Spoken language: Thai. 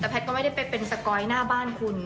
แต่พัทก็ไม่ได้เป็นสโกยหน้าบ้านคุณ